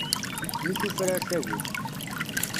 Mi tufrar tagut.